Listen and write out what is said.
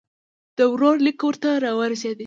د ورور لیک ورته را ورسېدی.